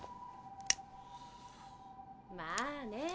・まあね。